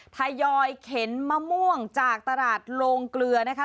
ทยอยเข็นมะม่วงจากตลาดโรงเกลือนะคะ